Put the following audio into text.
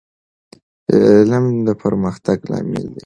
علم د پرمختګ لامل دی.